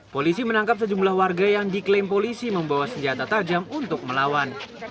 polisi menangkap sejumlah warga yang diklaim polisi membawa senjata tajam untuk melawan